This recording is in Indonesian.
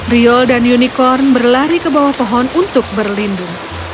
riol dan unicorn berlari ke bawah pohon untuk berlindung